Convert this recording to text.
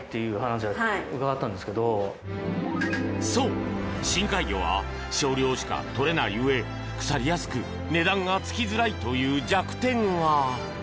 そう、深海魚は少量しかとれないうえ腐りやすく値段が付きづらいという弱点が。